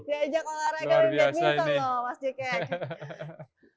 diajak olahraga di badminton loh mas jeket